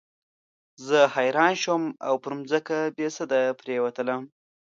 زه حیران شوم او پر مځکه بېسده پرېوتلم.